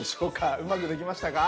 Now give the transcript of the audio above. うまくできましたか？